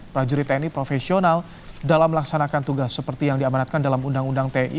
prajurit tni profesional dalam melaksanakan tugas seperti yang diamanatkan dalam undang undang ti